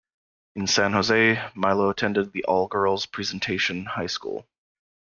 In San Jose, Milo attended the all-girls Presentation High School.